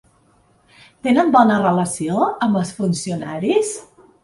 Tenen bona relació amb els funcionaris?